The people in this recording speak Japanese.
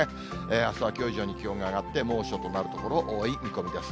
あすはきょう以上に気温が上がって、猛暑となる所、多い見込みです。